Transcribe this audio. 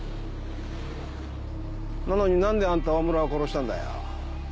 なのになんであんたオオムラを殺したんだよ？